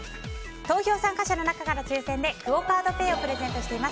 投票参加者の名から抽選でクオ・カードペイをプレゼントしています。